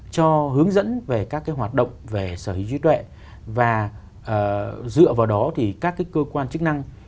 cho hướng dẫn về các cái hoạt động về sở hữu trí tuệ và dựa vào đó thì các cái cơ quan chức năng